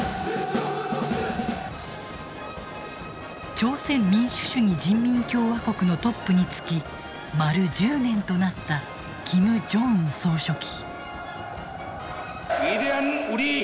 朝鮮民主主義人民共和国のトップに就き丸１０年となったキム・ジョンウン総書記。